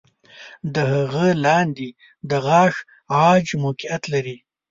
د هغه لاندې د غاښ عاج موقعیت لري.